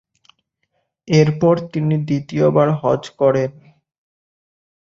এরপর তিনি দ্বিতীয়বার হজ্জ করেন।